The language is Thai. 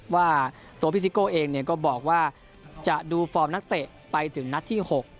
ว่าตัวพี่ซิโก้เองก็บอกว่าจะดูฟอร์มนักเตะไปถึงนัดที่๖